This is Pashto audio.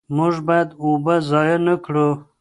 موږ باید اوبه ضایع نه کړو.